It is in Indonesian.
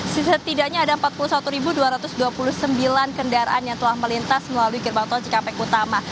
setidaknya ada empat puluh satu dua ratus dua puluh sembilan kendaraan yang telah melintas melalui gerbang tol cikampek utama